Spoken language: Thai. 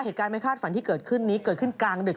เหตุการณ์ไม่คาดฝันที่เกิดขึ้นนี้เกิดขึ้นกลางดึก